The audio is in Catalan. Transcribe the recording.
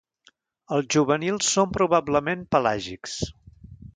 Els juvenils són probablement pelàgics.